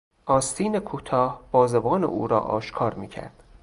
آستین کوتاه بازوان او را آشکار میکرد.